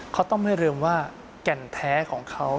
เขาต้องไม่ลืมว่าแก่นแท้ของเขา